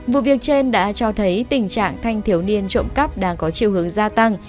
vụ việc trên đã cho thấy tình trạng thanh thiếu niên trộm cắp đang có chiều hướng gia tăng